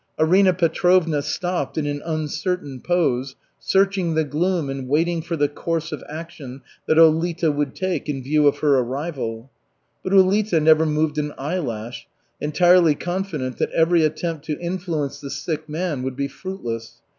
Arina Petrovna stopped in an uncertain pose, searching the gloom and waiting for the course of action that Ulita would take in view of her arrival. But Ulita never moved an eyelash, entirely confident that every attempt to influence the sick man would be fruitless.